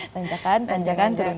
tanjakan tanjakan turunan